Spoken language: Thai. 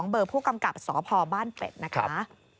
เบอร์ผู้กำกับสพบ้านเป็ดนะคะ